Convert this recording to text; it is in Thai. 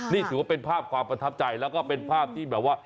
นี่ถือว่าเป็นภาพความประทับใจแล้วก็เป็นภาพที่แบบว่า